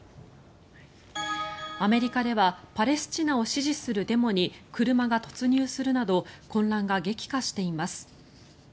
アメリカではパレスチナを支持するデモに車が突入するなど混乱が激化しています。